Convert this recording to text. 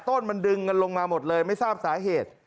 ต้นมันดึงกันลงมาหมดเลยไม่ทราบสาเหตุ